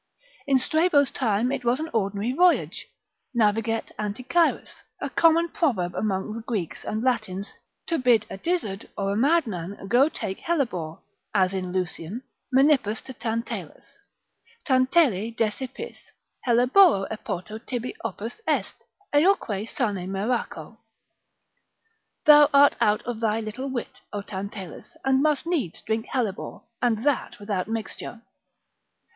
In Strabo's time it was an ordinary voyage, Naviget Anticyras; a common proverb among the Greeks and Latins, to bid a dizzard or a mad man go take hellebore; as in Lucian, Menippus to Tantalus, Tantale desipis, helleboro epoto tibi opus est, eoque sane meraco, thou art out of thy little wit, O Tantalus, and must needs drink hellebore, and that without mixture.